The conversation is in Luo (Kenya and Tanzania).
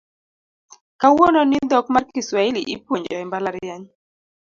Kawuono ni dhok mar Kiswahili ipuonjo e mbalariany